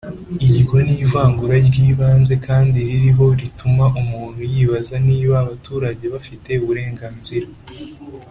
iryo ni ivangura ry'ibanze kandi ririho rituma umuntu yibaza niba abaturage bafite uburenganzira